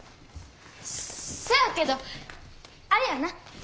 せやけどあれやな。